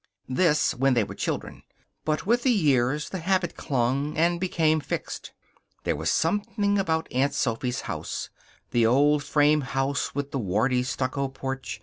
This when they were children. But with the years the habit clung and became fixed. There was something about Aunt Sophy's house the old frame house with the warty stucco porch.